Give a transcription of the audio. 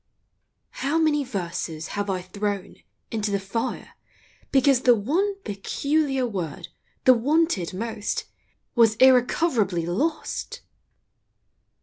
How many verses have I thrown Into the fire because the one Peculiar word, the wanted most, Was irrecoverably lost